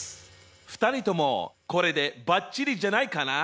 ２人ともこれでばっちりじゃないかな？